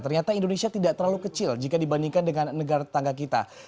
ternyata indonesia tidak terlalu kecil jika dibandingkan dengan negara tetangga kita